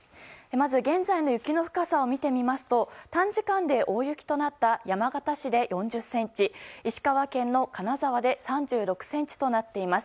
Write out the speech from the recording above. まず現在の雪の深さを見てみますと短時間で大雪となった山形市で４０ｃｍ石川県の金沢で３６ｃｍとなっています。